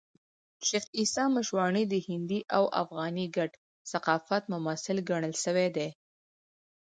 شېخ عیسي مشواڼي د هندي او افغاني ګډ ثقافت ممثل ګڼل سوى دئ.